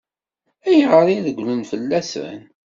Ayɣer i regglen fell-asen?